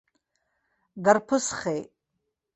Дарԥысхеит!